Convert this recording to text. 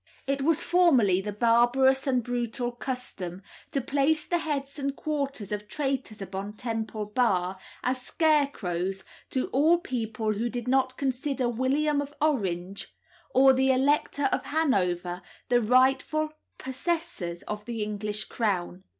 It was formerly the barbarous and brutal custom to place the heads and quarters of traitors upon Temple Bar as scarecrows to all persons who did not consider William of Orange, or the Elector of Hanover, the rightful possessors of the English crown.